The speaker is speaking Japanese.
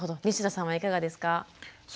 西田さんはいかがですか？